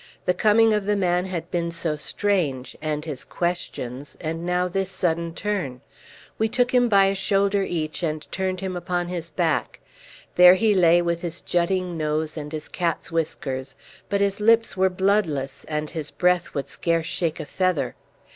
The coming of the man had been so strange, and his questions, and now this sudden turn. We took him by a shoulder each and turned him upon his back. There he lay with his jutting nose and his cat's whiskers, but his lips were bloodless, and his breath would scarce shake a feather.